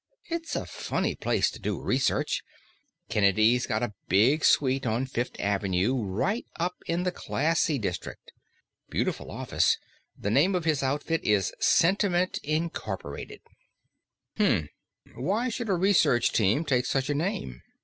It's a funny place to do research Kennedy's got a big suite on Fifth Avenue, right up in the classy district. Beautiful office. The name of his outfit is Sentiment, Inc." "Hm. Why should a research team take such a name?